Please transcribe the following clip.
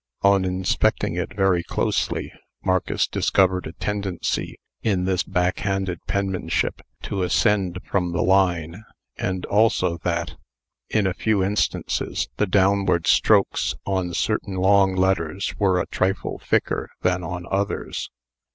On inspecting it very closely, Marcus discovered a tendency, in this backhanded penmanship, to ascend from the line; and also that, in a few instances, the downward strokes on certain long letters were a trifle thicker than on others.